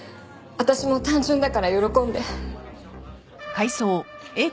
私も単純だから喜んで。